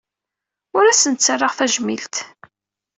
Ur asen-ttarraɣ tajmilt.